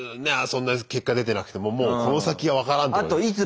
そんな結果出てなくてももうこの先は分からんってことで。